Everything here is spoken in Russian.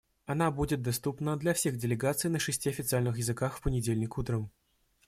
Она будет доступна для всех делегаций на шести официальных языках в понедельник утром.